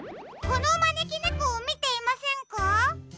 このまねきねこをみていませんか？